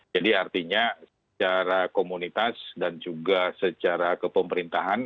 jadi artinya secara komunitas dan juga secara kepemerintahan